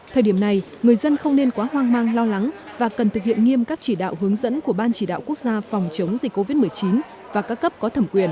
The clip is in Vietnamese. thời điểm này người dân không nên quá hoang mang lo lắng và cần thực hiện nghiêm các chỉ đạo hướng dẫn của ban chỉ đạo quốc gia phòng chống dịch covid một mươi chín và các cấp có thẩm quyền